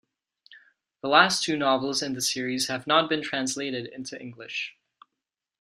The last two novels in the series have not been translated into English.